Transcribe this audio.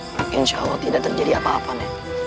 maka insya allah tidak terjadi apa apa neng